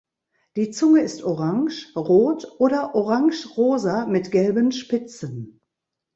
Die Zunge ist orange, rot, oder orange-rosa mit gelben Spitzen.